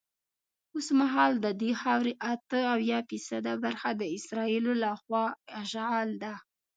اوسمهال ددې خاورې اته اویا فیصده برخه د اسرائیلو له خوا اشغال ده.